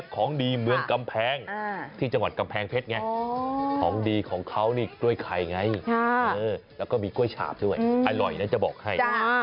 ของดีของเขานี่กล้วยไข่ไงแล้วก็มีกล้วยฉาบด้วยอร่อยนะจะบอกให้